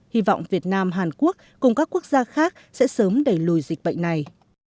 hy vọng việt nam hàn quốc cùng các quốc gia khác sẽ sớm đẩy lùi dịch bệnh này